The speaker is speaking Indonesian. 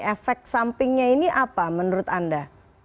efek sampingnya ini apa menurut anda